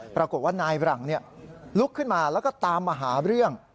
ปรากฏว่านายบหลังลุกขึ้นมาแล้วก็ตามมาหาเรื่อง